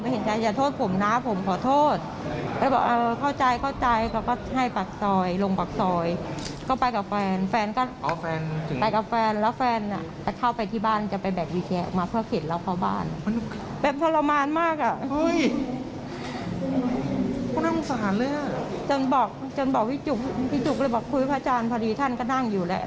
พี่จุกเลยบอกคุยกับพระอาจารย์พอดีท่านก็นั่งอยู่แหละ